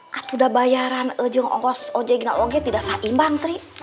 saya sudah bayar tapi saya tidak tahu apa yang saya kasih